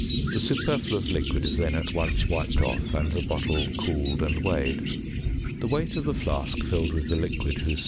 The superfluous liquid is then at once wiped off, and the bottle cooled and weighed. The weight of the flask filled with the liquid whose sp.